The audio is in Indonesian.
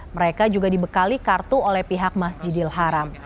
mereka juga dibekali kartu oleh pihak masjidil haram